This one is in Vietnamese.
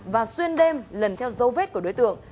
và xuyên đêm lần theo dấu vết của đối tượng